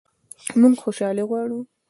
موږ خوشحالي غواړو